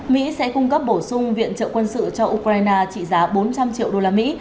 mỹ sẽ cung cấp bổ sung viện trợ quân sự cho ukraine trị giá bốn trăm linh triệu đô la mỹ